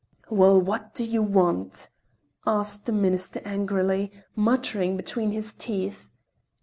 "Well, what do you want?" asked the Minister angrily, muttering between his teeth.